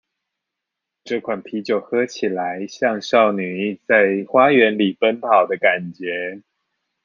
這款啤酒喝起來，像少女在花園裡奔跑的感覺